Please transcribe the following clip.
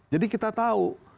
jadi kita tahu